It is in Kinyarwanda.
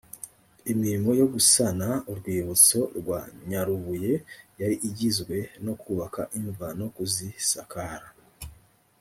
imirimo yo gusana urwibutso rwa nyarubuye yari igizwe no kubaka imva, no kuzisakara